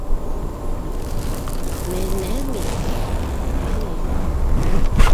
Мәҙинәһеҙ мин... китмәйем!